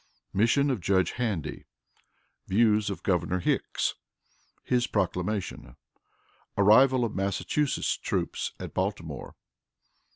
Mission of Judge Handy. Views of Governor Hicks. His Proclamation. Arrival of Massachusetts Troops at Baltimore.